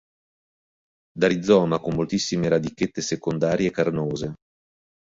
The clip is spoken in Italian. Da rizoma con moltissime radichette secondarie e carnose.